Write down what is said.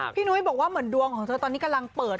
นุ้ยบอกว่าเหมือนดวงของเธอตอนนี้กำลังเปิด